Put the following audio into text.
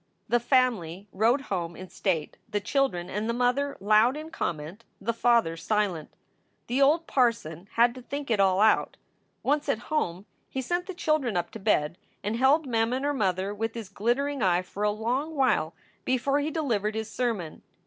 The family rode home in state, the children and the mother loud in comment, the father silent. The old par son had to think it all out. Once at home, he sent the children up to bed and held Mem and her mother with his glittering eye for a long while before he delivered his sermon.